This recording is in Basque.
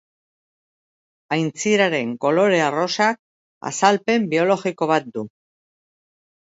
Aintziraren kolore arrosak azalpen biologiko bat du.